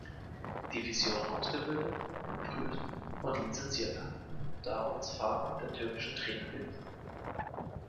Division ausgebildet, geprüft und lizenziert hat und darum als „Vater der türkischen Trainer“ gilt.